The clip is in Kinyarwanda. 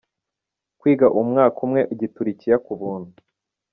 Kwiga umwaka umwe igiturukiya ku buntu.